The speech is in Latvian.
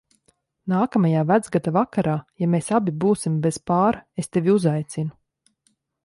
Nākamajā Vecgada vakarā, ja mēs abi būsim bez pāra, es tevi uzaicinu.